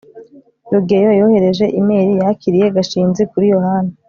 rugeyo yohereje imeri yakiriye gashinzi kuri yohana